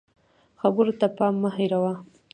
خبرو ته پام مه هېروه